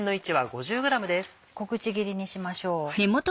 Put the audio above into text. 小口切りにしましょう。